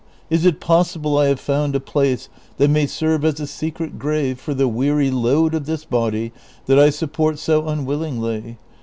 is it possible I have found a place that may serve as a secret grave for the weary load of this body that I support so unwillingly